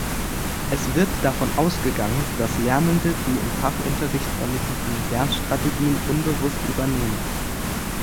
Es wird davon ausgegangen, dass Lernende die im Fachunterricht vermittelten Lernstrategien unbewusst übernehmen.